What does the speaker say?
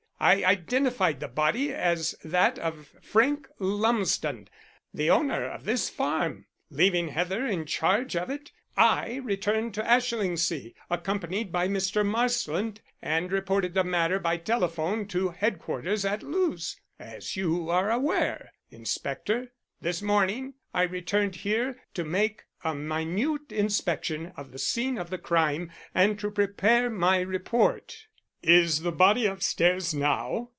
I identified the body as that of Frank Lumsden, the owner of this farm. Leaving Heather in charge of it, I returned to Ashlingsea accompanied by Mr. Marsland, and reported the matter by telephone to headquarters at Lewes, as you are aware, inspector. This morning I returned here to make a minute inspection of the scene of the crime and to prepare my report." "Is the body upstairs now?"